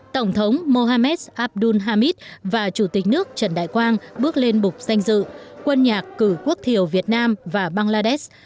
tổng thống mohamed abdul hamid và chủ tịch nước trần đại quang bước lên bục danh dự quân nhạc cử quốc thiều việt nam và bangladesh